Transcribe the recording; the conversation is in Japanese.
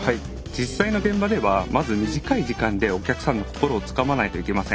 実際の現場ではまず短い時間でお客さんの心をつかまないといけません。